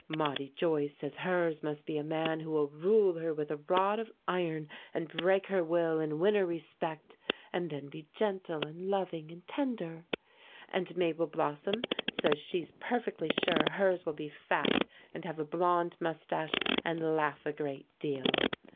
Maudie Joyce says hers must be a man who will rule her with a rod of iron and break her will and win her respect, and then be gentle and loving and tender. And Mabel Blossom says she's perfectly sure hers will be fat and have a blond mustache and laugh a great deal.